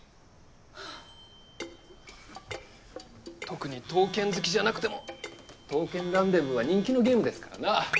特に刀剣好きじゃなくても『刀剣らんでぶー』は人気のゲームですからな。